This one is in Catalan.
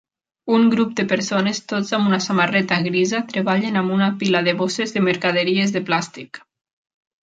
Un grup de persones tots amb una samarreta grisa treballen amb una pila de bosses de mercaderies de plàstic.